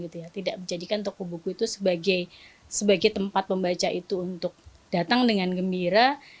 tidak menjadikan toko buku itu sebagai tempat pembaca itu untuk datang dengan gembira